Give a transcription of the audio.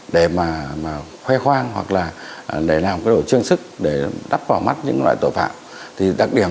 để mà khoe khoang hoặc là để làm cái đồ trương sức để đắp vào mắt những loại tội phạm